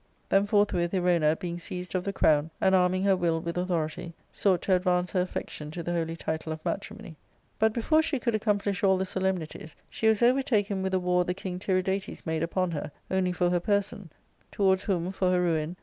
Theix forthwith Erona, being seized* of the crown, and arming her will with authority, sought to advance her affection to the holy title of matrimony. '' But before she could accomplish all the solemnities, she was overtaken with a war the king Tiridates made upon her> only for her person ; towards whom, for her ruin.